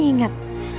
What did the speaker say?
ada yang tahu